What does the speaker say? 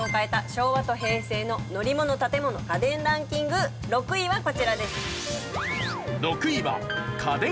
昭和と平成の乗り物・建物・家電ランキング６位はこちらです。